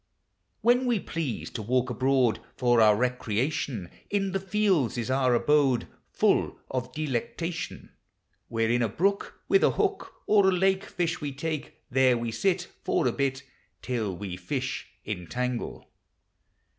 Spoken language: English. When we please to walk abroad For our recreation, In the fields is our abode, Full of delectation, Where, in a brook, With a hook, — Or a lake, — Fish we take; There we sit, For a bit, Till we fish entangle.